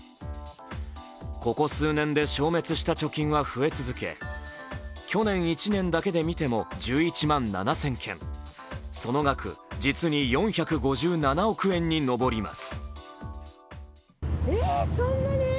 ここ数年で、消滅した貯金は増え続け、去年１年だけで見ても１１万７０００件、その額、実に４５７億円に上ります。